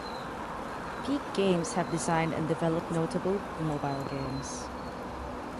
Peak Games have designed and developed notable mobile games.